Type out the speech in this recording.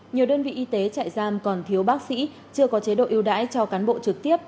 nhiều đơn vị y tế trại giam còn thiếu bác sĩ chưa có chế độ ưu đãi cho cán bộ trực tiếp